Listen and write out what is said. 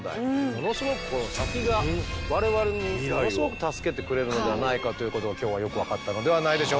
ものすごく先が我々にものすごく助けてくれるのではないかということが今日はよく分かったのではないでしょうか。